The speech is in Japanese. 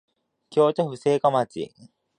京都府精華町